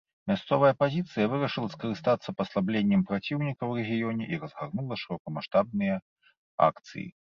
Мясцовая апазіцыя вырашыла скарыстацца паслабленнем праціўніка ў рэгіёне і разгарнула шырокамаштабныя акцыі.